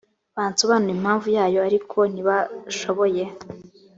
bansobanurire impamvu yayo ariko ntibashoboye